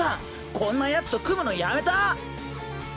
こんなヤツと組むのやめた！